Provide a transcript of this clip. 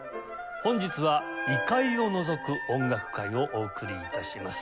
本日は「異界を覗く音楽会」をお送り致します。